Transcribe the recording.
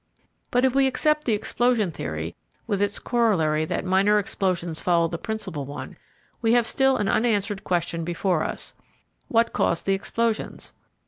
But if we accept the explosion theory, with its corollary that minor explosions followed the principal one, we have still an unanswered question before us: What caused the explosions?